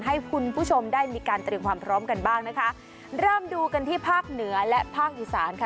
ให้คุณผู้ชมได้มีการเตรียมความพร้อมกันบ้างนะคะเริ่มดูกันที่ภาคเหนือและภาคอีสานค่ะ